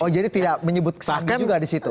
oh jadi tidak menyebut kesannya juga di situ